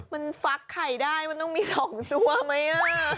มันฟักไข่ได้มันต้องมี๒ตัวไหม